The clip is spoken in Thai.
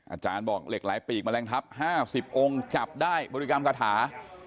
อาจารย์บอกเหล็กไหลปีกแมลงทัพ๕๐องค์จับได้บริกรรมคาถา